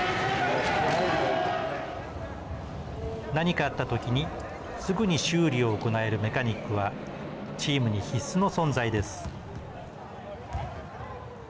何かあった時にすぐに修理を行えるメカニックはチームに必須の存在です。